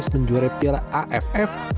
menjuara piala aff